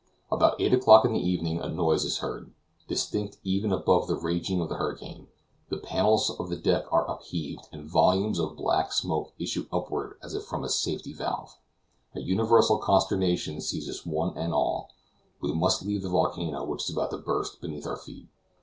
About eight o'clock in the evening, a noise is heard, distinct even above the raging of the hurricane. The panels of the deck are upheaved, and volumes of black smoke issue upward as if from a safety valve. A universal consternation seizes one and all; we must leave the volcano which is about to burst beneath our feet.